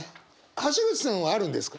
橋口さんはあるんですか？